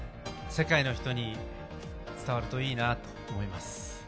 世界の人に伝わるといいなと思います。